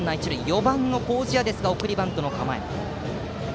４番の麹家ですが送りバントの構え。